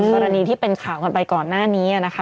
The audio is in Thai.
ก็เป็นข่าวกันไปก่อนหน้านี้นะคะ